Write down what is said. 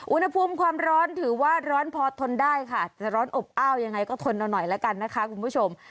อุณหภูมิความร้อนถือว่าร้อนพอทนได้ค่ะจะร้อนอบอ้าวยังไงก็ทนเอาหน่อยละกันนะคะคุณผู้ชม